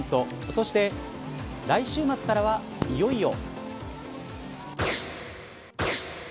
そして来週末からは、いよいよ。